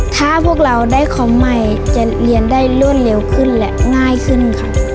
ถ้าพวกเราได้คอมใหม่จะเรียนได้รวดเร็วขึ้นและง่ายขึ้นค่ะ